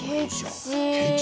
ケチ。